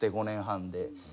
５年半で。